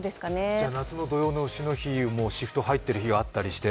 じゃ夏の土用の丑の日もシフト入ってる日があったりして？